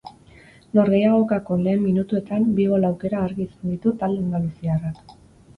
Norgehiagokako lehen minutuetan, bi gol aukera argi izan ditu talde andaluziarrak.